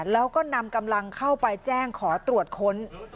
แล้วก็นำกำลังเข้าไปแจ้งขอตรวจค้น